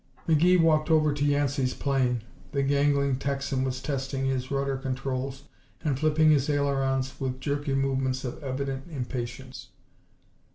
McGee walked over to Yancey's plane. The gangling Texan was testing his rudder controls and flipping his ailerons with jerky movements of evident impatience.